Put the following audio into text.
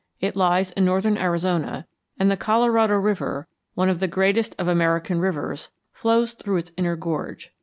It lies in northern Arizona, and the Colorado River, one of the greatest of American rivers, flows through its inner gorge.